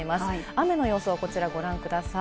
雨の予想、こちらをご覧ください。